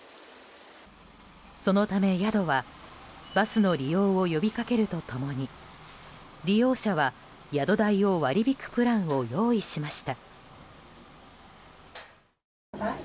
そのため宿はバスの利用を呼び掛けると共に利用者は宿代を割り引くプランを用意しました。